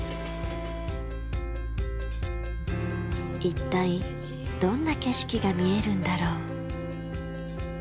一体どんな景色が見えるんだろう？